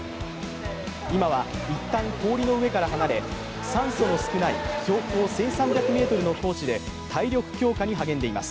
今は一旦氷の上から離れ、酸素の少ない標高１３００ｍの高地で体力強化に励んでいます。